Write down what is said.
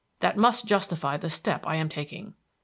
That must justify the step I am taking."